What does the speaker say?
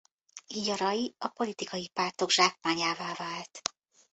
Így a Rai a politikai pártok zsákmányává vált.